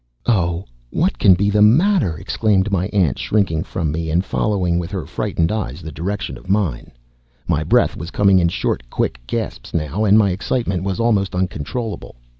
"Oh, what can be the matter!" exclaimed by aunt, shrinking from me, and following with her frightened eyes the direction of mine. My breath was coming in short, quick gasps now, and my excitement was almost uncontrollable.